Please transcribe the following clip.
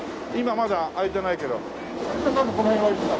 今まだ開いてないけど。